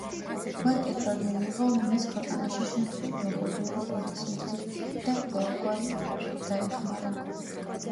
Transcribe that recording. მან კეთილად მიიღო მის ქვეყანაში შემთხვევით მოხვედრილი ოდისევსი და ყოველგვარი დაეხმარა.